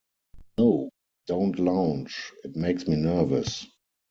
No, don't lounge, it makes me nervous.